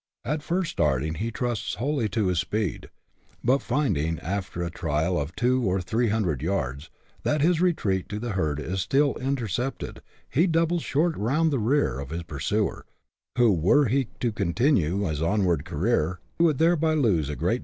At first starting he trusts wholly to his speed, but finding, after a trial of two or three hundred yards, that his retreat to the herd is still inter cepted, he doubles short round in the rear of his pursuer, who, were he to continue his onward career, would thereby lose a great 62 BUSH LIFE IN AUSTRALIA.